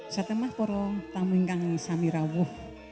satemah porong tamu engkang samirawuh